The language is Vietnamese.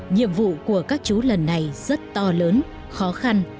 nhiệm vụ của các chú lần này rất to lớn khó khăn